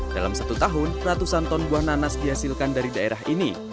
dalam satu tahun ratusan ton buah nanas dihasilkan dari daerah ini